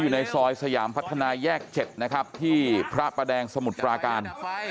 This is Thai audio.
ในซอยสยามพัฒนาแยก๗นะครับที่พระประแดงสมุทรปราการ